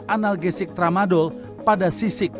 analgesik tramadol pada sisik